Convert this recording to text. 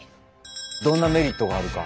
どんなメリットがあるか。